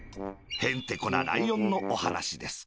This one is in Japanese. へんてこなライオンのおはなしです